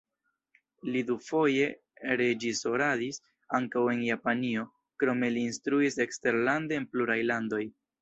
Li dufoje reĝisoradis ankaŭ en Japanio, krome li instruis eksterlande en pluraj landoj.